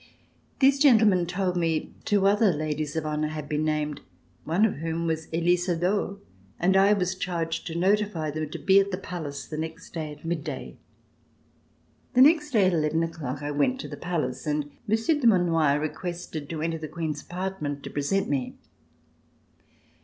These gentlemen told me that two other Ladles of Honor had been named, one of whom was Elisa d'Aux, and I was charged to notify them to be at the Palace the next day at mid day. The next day at eleven o'clock, I went to the Palace, and Monsieur Dumanoir re quested to enter the Queen's apartment to present me.